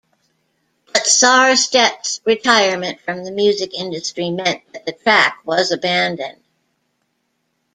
But Sarstedt's retirement from the music industry meant that the track was abandoned.